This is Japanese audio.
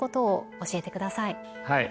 はい。